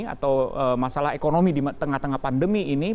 atau masalah ekonomi di tengah tengah pandemi ini